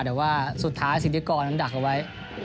แต่ว่าสุดท้ายสิทธิกรนั้นดักเอาไว้